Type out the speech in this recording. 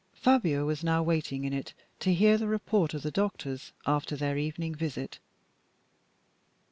Fabio was now waiting in it, to hear the report of the doctors after their evening visit.